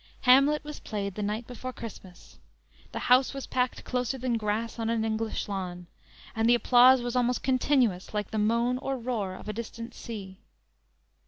"Hamlet" was played the night before Christmas. The house was packed closer than grass on an English lawn, and the applause was almost continuous, like the moan or roar of a distant sea.